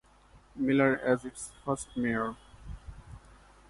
Miller as its first mayor.